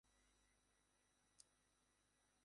আমার মক্কেল ডায়েরি ব্যবহার করেন না।